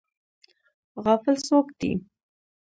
غافل څوک دی؟